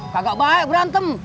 kagak baik berantem